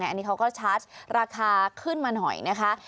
อันนี้เขาก็ชาร์จราคาขึ้นมาหน่อยนะคะ